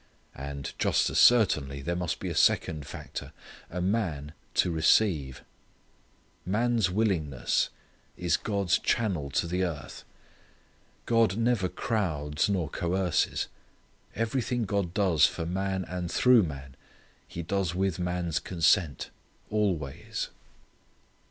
And, just as certainly, there must be a second factor, a man to receive. Man's willingness is God's channel to the earth. God never crowds nor coerces. Everything God does for man and through man He does with man's consent, always.